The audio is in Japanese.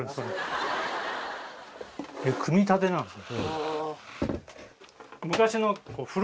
組み立てなんですね。